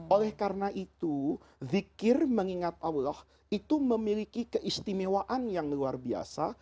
oleh karena itu zikir mengingat allah itu memiliki keistimewaan yang luar biasa